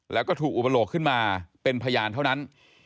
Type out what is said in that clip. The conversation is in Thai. แล้วก็ถูกอุปโลกขึ้นมาเป็นพยานเท่านั้น